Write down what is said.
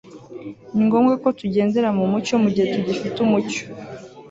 ni ngombwa ko tugendera mu mucyo mu gihe tugifite umucyo